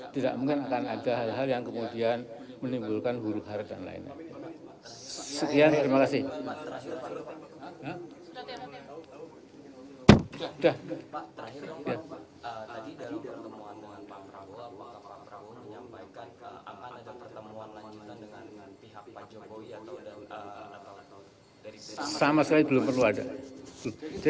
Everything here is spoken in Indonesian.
tidak mungkin akan ada hal hal yang kemudian menimbulkan huru hara dan lainnya